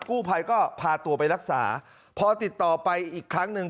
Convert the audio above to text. กู้ภัยก็พาตัวไปรักษาพอติดต่อไปอีกครั้งหนึ่ง